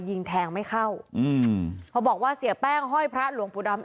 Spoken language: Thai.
ยิงแทงไม่เข้าอืมพอบอกว่าเสียแป้งห้อยพระหลวงปู่ดำ